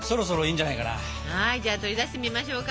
はいじゃあ取り出してみましょうか。